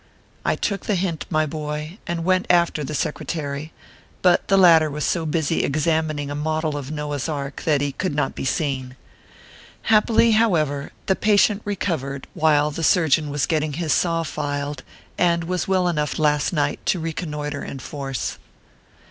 I took the hint, my boy, and went after the Secre tary ; but the latter was so busy examining a model of Noah s Ark that he could not be seen. Happily, however, the patient recovered while the surgeon was 286 ORPHEUS C. KERR PAPERS. getting his saw filed, and was well enough last night to reconnoitre in force.